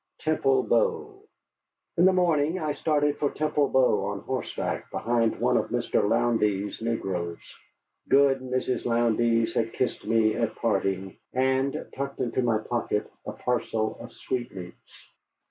TEMPLE BOW In the morning I started for Temple Bow on horseback behind one of Mr. Lowndes' negroes. Good Mrs. Lowndes had kissed me at parting, and tucked into my pocket a parcel of sweetmeats.